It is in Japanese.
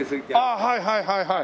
はいはいはいはい。